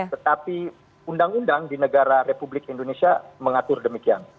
tetapi undang undang di negara republik indonesia mengatur demikian